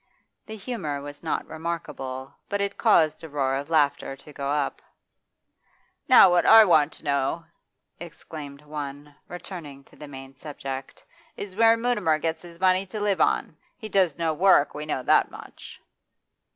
The humour was not remarkable, but it caused a roar of laughter to go up. 'Now what I want to know,' exclaimed one, returning to the main subject, 'is where Mutimer gets his money to live on. He does no work, we know that much.